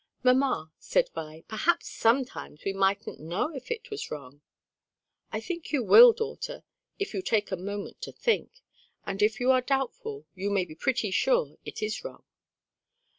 "Mamma," said Vi, "perhaps sometimes we mightn't know if it was wrong!" "I think you will, daughter, if you take a moment to think; and if you are doubtful, you may be pretty sure it is wrong."